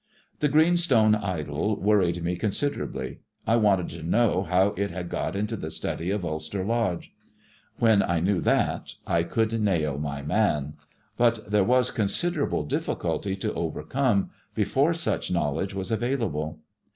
The green stone idol worried me considerably. I wanted to know how it had got into the study of Ulster Lodge. When I knew that, I could nail my man. But there was considerable difficulty to overcome before such knowledge was available.